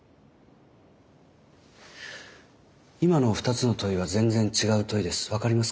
今の２つの問いは全然違う問いです。